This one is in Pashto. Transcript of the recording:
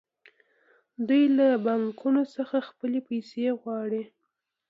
دوی له بانکونو څخه خپلې پیسې غواړي